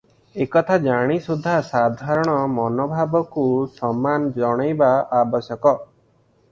ଏକଥା ଜାଣି ସୁଦ୍ଧା ସାଧାରଣ ମନୋଭାବକୁ ସମ୍ମାନ ଜଣାଇବା ଆବଶ୍ଯକ ।